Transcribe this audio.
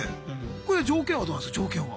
これ条件はどうなんすか条件は。